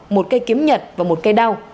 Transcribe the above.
một cây kiếm nhật và một cây đao